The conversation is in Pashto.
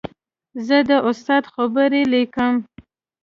زه د استاد خبرې لیکم.